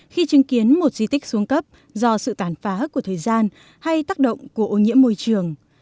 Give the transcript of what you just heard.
khi chứng kiến một di tích xuống cấp do sự tàn phá của thời gian hay tác động của ô nhiễm môi trường